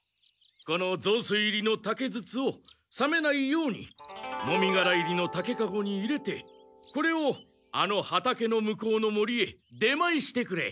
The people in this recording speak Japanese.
このぞうすい入りの竹筒を冷めないようにもみがら入りの竹カゴに入れてこれをあの畑の向こうの森へ出前してくれ。